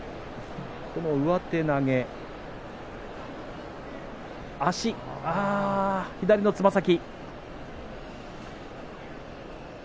この上手投げ足、あ左のつま先。